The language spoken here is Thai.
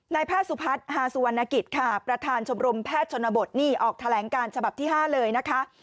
แพทย์สุพัฒน์ฮาสุวรรณกิจค่ะประธานชมรมแพทย์ชนบทนี่ออกแถลงการฉบับที่๕เลยนะคะ